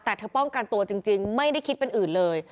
แต่เธอป้องกันตัวจริงไม่ได้คิดเป็นอื่นเลย